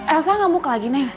elsa gak mau ke lagi neng